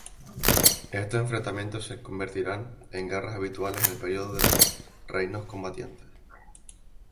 Estos enfrentamientos se convertirán en guerras habituales en el periodo de los Reinos Combatientes.